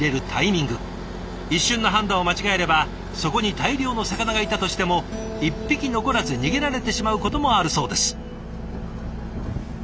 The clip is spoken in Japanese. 一瞬の判断を間違えればそこに大量の魚がいたとしても一匹残らず逃げられてしまうこともあるそうです。